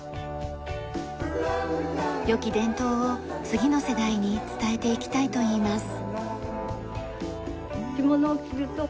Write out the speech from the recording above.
よき伝統を次の世代に伝えていきたいといいます。